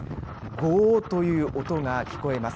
ゴーという音が聞こえます。